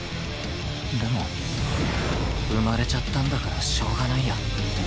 でも生まれちゃったんだからしょうがないや